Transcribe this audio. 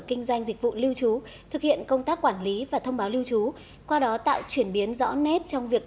kinh doanh dịch vụ lưu trú thực hiện công tác quản lý và thông báo lưu trú qua đó tạo chuyển biến rõ nét trong việc